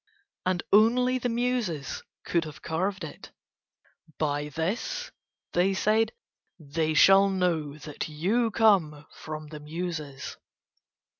And only the Muses could have carved it. "By this," they said, "they shall know that you come from the Muses."